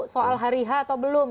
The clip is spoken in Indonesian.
soal hari h atau belum